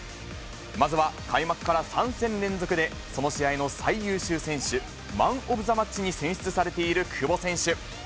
まずは開幕から３戦連続でその試合の最優秀選手・マンオブザマッチに選出されている久保選手。